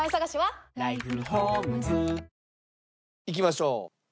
いきましょう。